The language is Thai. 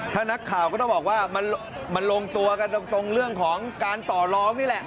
ถ้านักข่าวก็ต้องบอกว่ามันลงตัวกันตรงเรื่องของการต่อร้องนี่แหละ